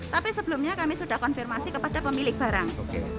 tapi sebelumnya kami sudah konfirmasi kepada pemilik barang